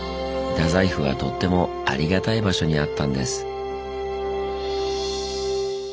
大宰府はとってもありがたい場所にあったんです。